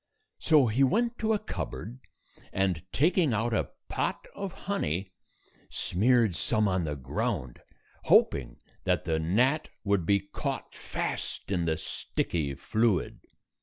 So he went to a cupboard, and, taking out a pot of honey, smeared some on the ground, hoping that the gnat would be caught fast in the sticky fluid.